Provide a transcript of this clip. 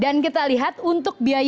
dan kita lihat untuk biaya